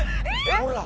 ほら！